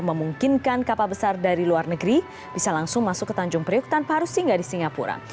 memungkinkan kapal besar dari luar negeri bisa langsung masuk ke tanjung priuk tanpa harus singgah di singapura